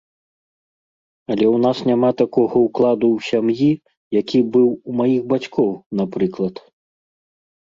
Але ў нас няма такога ўкладу ў сям'і, які быў у маіх бацькоў, напрыклад.